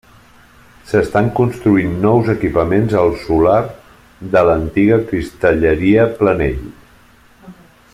S'estan construint nous equipaments al solar de l'antiga Cristalleria Planell.